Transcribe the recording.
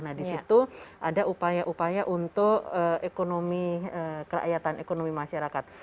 nah di situ ada upaya upaya untuk ekonomi kerakyatan ekonomi masyarakat